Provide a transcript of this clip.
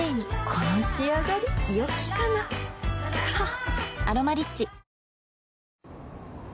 この仕上がりよきかなははっ